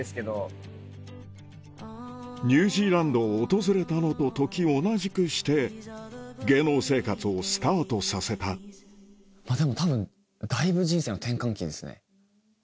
ニュージーランドを訪れたのと時を同じくして芸能生活をスタートさせたでも多分だいぶ人生の転換期ですね。